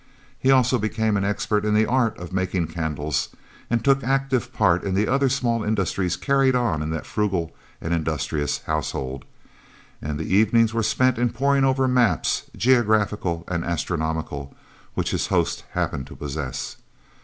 He also became an expert in the art of making candles, and took active part in the other small industries carried on in that frugal and industrious household, and the evenings were spent in poring over maps, geographical and astronomical, which his host happened to possess.